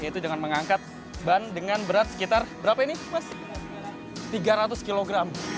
yaitu dengan mengangkat ban dengan berat sekitar tiga ratus kg